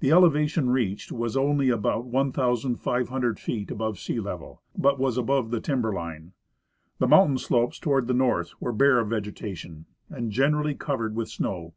The elevation reached was only al^out 1,500 feet above sea level, but was above the timber line. The mountain slopes toward the north were bare of vege tation and generally covered with snow.